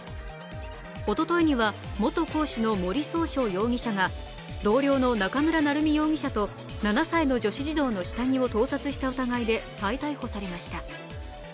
おとといには元講師の森崇翔容疑者が同僚の中村成美容疑者と７歳の女子児童の下着を盗撮した疑いで再逮捕されました。